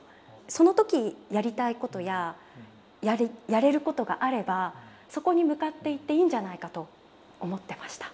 その時やりたいことややれることがあればそこに向かっていっていいんじゃないかと思ってました。